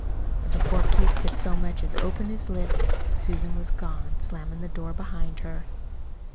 And before Keith could so much as open his lips, Susan was gone, slamming the door behind her.